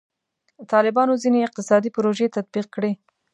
طالبانو ځینې اقتصادي پروژې تطبیق کړي.